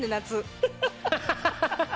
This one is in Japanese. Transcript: ハハハハッ！